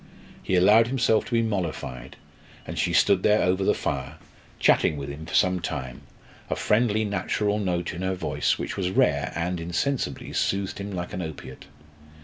He allowed himself to be mollified, and she stood there over the fire, chatting with him for some time, a friendly natural note in her voice which was rare and, insensibly, soothed him like an opiate.